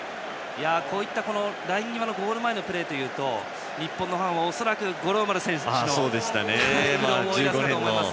こういったライン際のゴール前のプレーというと日本のファンは恐らく五郎丸選手のタックルを思い出すと思います。